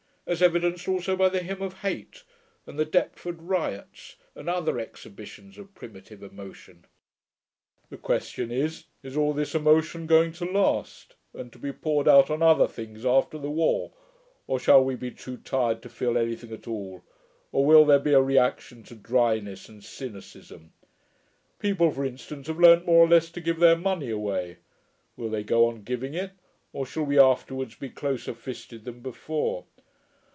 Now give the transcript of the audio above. ... As evidenced also by the Hymn of Hate and the Deptford riots and other exhibitions of primitive emotion. The question is, is all this emotion going to last, and to be poured out on other things after the war, or shall we be too tired to feel anything at all, or will there be a reaction to dryness and cynicism? People, for instance, have learnt more or less to give their money away: will they go on giving it, or shall we afterwards be closer fisted than before?'